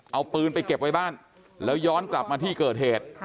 เอาปืนไปเก็บไว้บ้านแล้วย้อนกลับมาที่เกิดเหตุ